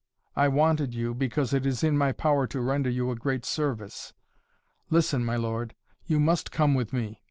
I wanted you, because it is in my power to render you a great service. Listen, my lord, you must come with me!